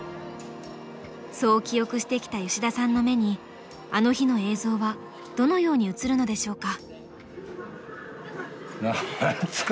そう記憶してきた吉田さんの目にあの日の映像はどのように映るのでしょうか。